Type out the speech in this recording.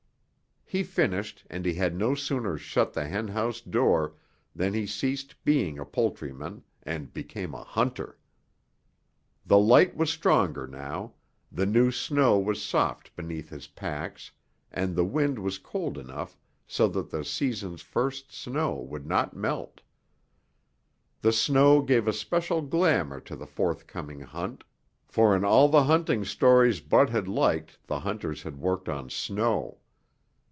He finished and he had no sooner shut the henhouse door than he ceased being a poultryman and became a hunter. The light was stronger now, the new snow was soft beneath his pacs and the wind was cold enough so that the season's first snow would not melt. The snow gave a special glamour to the forthcoming hunt, for in all the hunting stories Bud had liked the hunters had worked on snow.